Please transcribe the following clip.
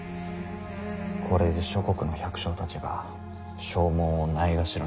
これで諸国の百姓たちが証文をないがしろにする。